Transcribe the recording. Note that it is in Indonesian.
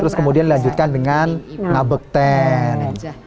aduh aku mel heather horo misalkan